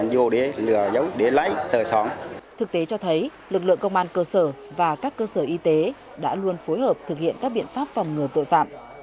công an phường và các cơ sở y tế đã luôn phối hợp thực hiện các biện pháp phòng ngừa tội phạm